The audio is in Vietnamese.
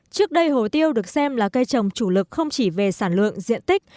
trước đây hồ tiêu được xem là cây trồng chủ lực không chỉ về sản lượng diện tích